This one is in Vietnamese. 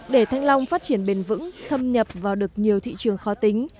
để thanh long phát triển bền vững thâm nhập vào được nhiều thị trường khó tính